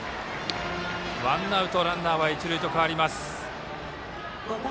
ワンアウト、ランナーは一塁と変わります。